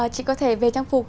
chị có thể về trang phục